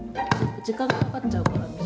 時間かかっちゃうから。